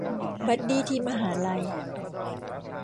บัดดี้ที่มหาลัย